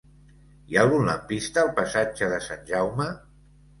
Hi ha algun lampista al passatge de Sant Jaume?